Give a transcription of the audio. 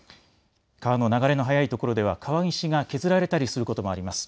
川の流れの速いところでは川岸が削られたりすることもあります。